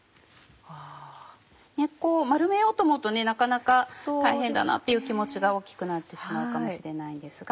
丸めようと思うとなかなか大変だなっていう気持ちが大きくなってしまうかもしれないんですが。